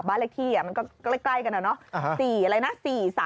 บ้านเล็กที่มันก็ใกล้กันแล้วเนอะ